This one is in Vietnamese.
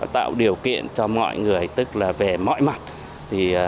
tạo điều kiện cho mọi người tức là về mọi mặt